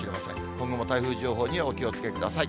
今後も台風情報にはお気をつけください。